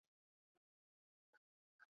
如果有兴趣要早定